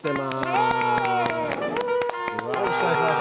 よろしくお願いします。